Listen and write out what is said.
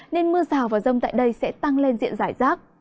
nên mưa rào và rông tại đây sẽ tăng lên diện giải rác